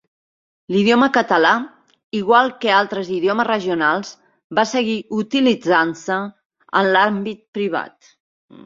L'idioma català, igual que altres idiomes regionals, va seguir utilitzant-se en l'àmbit privat.